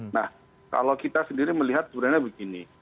nah kalau kita sendiri melihat sebenarnya begini